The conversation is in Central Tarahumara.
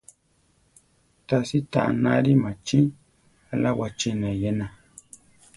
Tási ta anári machí aʼlá wachína iyéna.